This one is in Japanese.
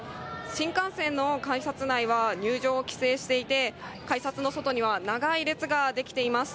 新幹線の改札内は入場を規制していて、改札の外には、長い列が出来ています。